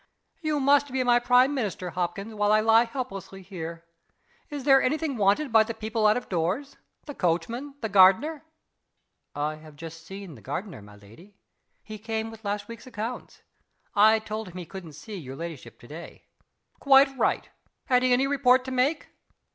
"You must be my prime minister, Hopkins, while I lie helpless here. Is there any thing wanted by the people out of doors? The coachman? The gardener?" "I have just seen the gardener, my lady. He came with last week's accounts. I told him he couldn't see your ladyship to day." "Quite right. Had he any report to make?"